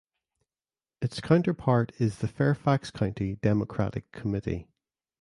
Its counterpart is the Fairfax County Democratic Committee.